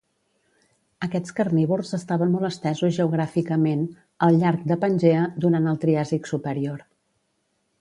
Aquests carnívors estaven molt estesos geogràficament, al llarg de Pangea, durant el Triàsic superior.